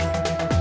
saya juga ngantuk